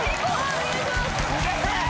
・お願いします